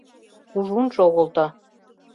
Кужун шогылто.